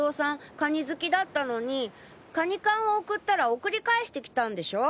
カニ好きだったのにカニ缶を送ったら送り返してきたんでしょ？